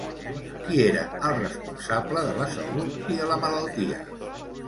Qui era el responsable de la salut i de la malaltia?